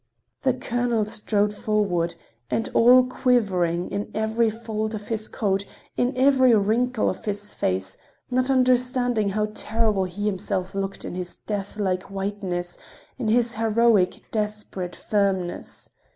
The colonel strode forward, and all quivering in every fold of his coat, in every wrinkle of his face, not understanding how terrible he himself looked in his death like whiteness, in his heroic, desperate firmness.